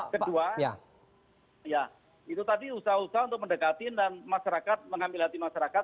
kedua itu tadi usaha usaha untuk mendekati dan mengambil hati masyarakat